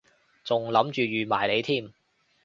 仲諗住預埋你添